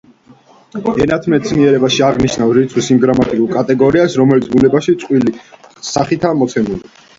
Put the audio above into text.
ენათმეცნიერებაში აღნიშნავს რიცხვის იმ გრამატიკულ კატეგორიას, რომელიც ბუნებაში წყვილი სახითაა მოცემული.